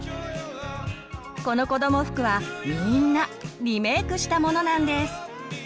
このこども服はみんなリメークしたものなんです。